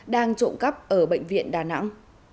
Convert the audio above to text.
đang trộn cắp ở bệnh viện đà nẵng